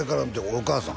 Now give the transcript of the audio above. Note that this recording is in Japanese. お母さん？